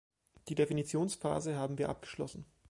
Die Definitionsphase haben wir abgeschlossen.